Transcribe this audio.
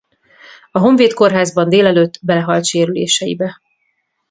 A Honvéd Kórházban délelőtt belehalt sérüléseibe.